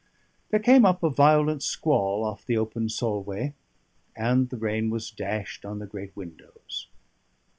There came up a violent squall off the open Solway, and the rain was dashed on the great windows.